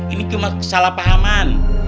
ini cuma kesalahpahaman